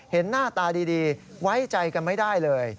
หน้าตาดีไว้ใจกันไม่ได้เลย